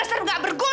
reset gak berguna lo